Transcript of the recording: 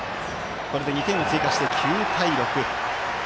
これで２点を追加して９対６。